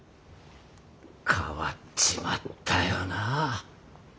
変わっちまったよなあ。